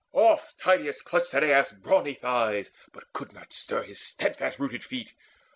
Oft Tydeides clutched at Aias' brawny thighs, But could not stir his steadfast rooted feet.